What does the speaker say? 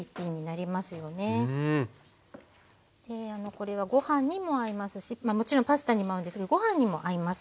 これはご飯にも合いますしもちろんパスタにも合うんですがご飯にも合います。